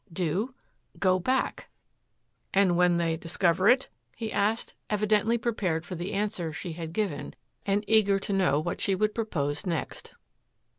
Do? Go back." "And when they discover it?" he asked evidently prepared for the answer she had given and eager to know what she would propose next.